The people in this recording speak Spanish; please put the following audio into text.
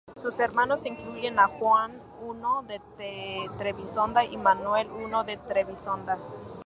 Sus hermanos incluyen a Juan I de Trebisonda y Manuel I de Trebisonda.